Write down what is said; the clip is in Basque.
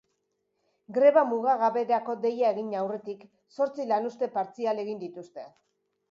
Greba mugagaberako deia egin aurretik, zortzi lanuzte partzial egin dituzte.